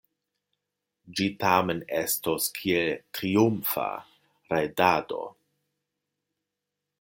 Ĝi tamen estos kiel triumfa rajdado.